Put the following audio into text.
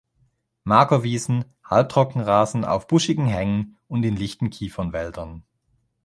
Magerwiesen, Halbtrockenrasen, auf buschigen Hängen und in lichten Kiefernwäldern.